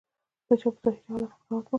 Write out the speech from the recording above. د چا په ظاهري حالت قضاوت مه کوه.